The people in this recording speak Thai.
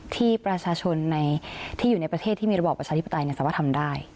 ที่ประชาชนที่อยู่ในประเทศที่มีระบอบประชาธิปไตยสามารถทำได้